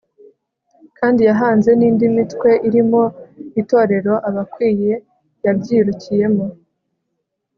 kandi yahanze n'indi mitwe irimo itorero abakwiye yabyirukiyemo